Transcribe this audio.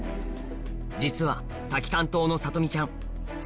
実は滝担当のさとみちゃん